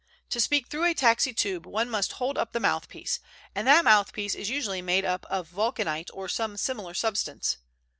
To speak through a taxi tube one must hold up the mouthpiece, and that mouthpiece is usually made of vulcanite or some similar substance.